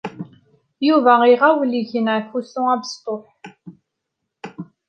Yuba iɣawel igen ɣef wusu abesṭuḥ.